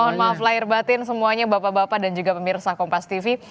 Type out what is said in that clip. mohon maaf lahir batin semuanya bapak bapak dan juga pemirsa kompas tv